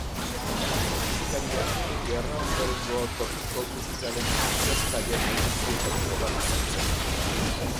Musikaria gerra ondorengo tokiko musikaren suspertzaile nagusietariko bat izan zen.